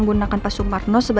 nggak ada di jakarta kenapa